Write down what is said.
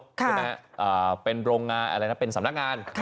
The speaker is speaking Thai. ใช่มั้ยฮะอ่าเป็นโรงงานแรงละเป็นสำนักงาน